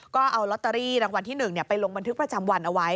ก็เอาลอตเตอรี่รางวัลที่๑ไปลงบันทึกประจำวันเอาไว้